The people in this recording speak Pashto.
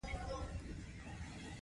هغوی د انجینر جوړ شوی ډیزاین عملي کوي.